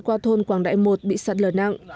qua thôn quảng đại một bị sạt lở nặng